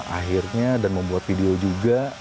akhirnya dan membuat video juga